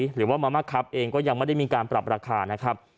หรือว่ามะครับเองก็ยังไม่ได้มีการปรับราคานะครับ